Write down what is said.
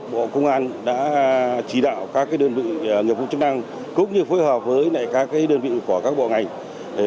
bộ công an đã chỉ đạo các đơn vị nghiệp vụ chức năng cũng như phối hợp với các đơn vị của các bộ ngành